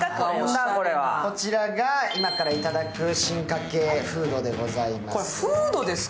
こちらが今から頂く進化系フードでございます。